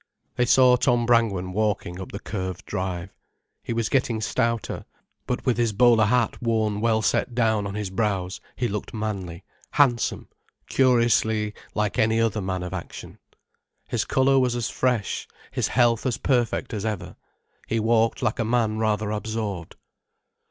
They saw Tom Brangwen walking up the curved drive. He was getting stouter, but with his bowler hat worn well set down on his brows, he looked manly, handsome, curiously like any other man of action. His colour was as fresh, his health as perfect as ever, he walked like a man rather absorbed.